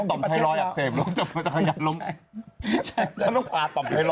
เขาต้องพาต่อมไทรอยด์หรือเปล่า